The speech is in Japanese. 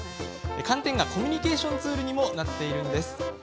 寒天がコミュニケーションツールにもなっているんです。